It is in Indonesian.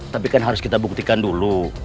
tapi kan harus kita buktikan dulu